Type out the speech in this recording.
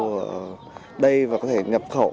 ở đây và có thể nhập khẩu